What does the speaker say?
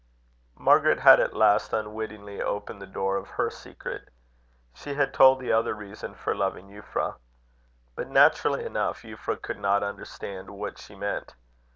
Margaret had at last unwittingly opened the door of her secret. She had told the other reason for loving Euphra. But, naturally enough, Euphra could not understand what she meant.